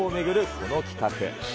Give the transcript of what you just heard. この企画。